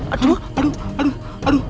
aduh aduh aduh